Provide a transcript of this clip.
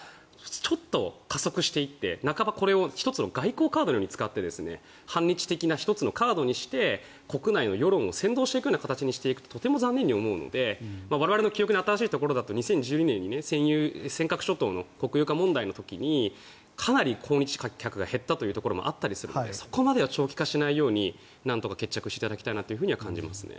それがちょっと加速していって半ばこれを１つの外交カードにして反日的な１つのカードにして国内の世論を扇動していく形にするととても残念に思うので我々の記憶に新しいところだと２０１２年に尖閣諸島の国有化問題の時にかなり訪日客が減ったということもあったのでそこまでは長期化しないようになんとか決着していただきたいと思います。